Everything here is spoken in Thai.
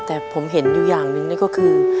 แต่ผมเห็นอยู่อย่างหนึ่งนี่ก็คือ